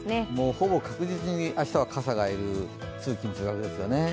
ほぼ確実に明日は傘が要る通勤・通学ですよね。